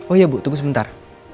oh iya bu tunggu sebentar